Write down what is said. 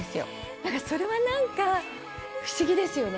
なんかそれはなんか、不思議ですよね。